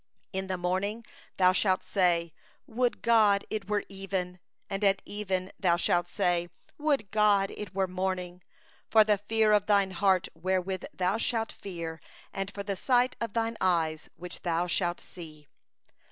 67In the morning thou shalt say: 'Would it were even! ' and at even thou shalt say: 'Would it were morning! ' for the fear of thy heart which thou shalt fear, and for the sight of thine eyes which thou shalt see.